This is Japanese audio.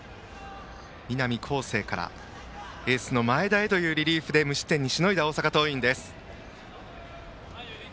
南恒誠からエースの前田へというリリーフで無失点にしのいだ大阪桐蔭です。